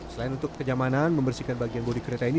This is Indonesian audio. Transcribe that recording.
selain untuk kenyamanan membersihkan bagian bodi kereta ini